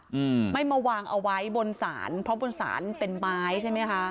อืมไม่มาวางเอาไว้บนศาลเพราะบนศาลเป็นไม้ใช่ไหมคะ